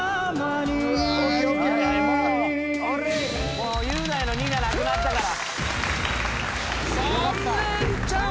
もう雄大の２がなくなったから。